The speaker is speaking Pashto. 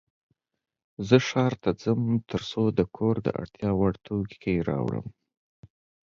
زه ښار ته ځم ترڅو د کور د اړتیا وړ توکې راوړم.